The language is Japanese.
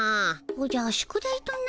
おじゃ宿題とな。